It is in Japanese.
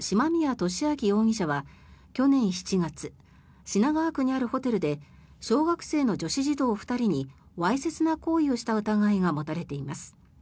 利明容疑者は去年７月、品川区にあるホテルで小学生の女子児童２人にわいせつな行為をした疑いが持たれています。